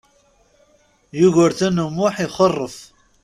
Yugurten U Muḥ ixeṛṛef.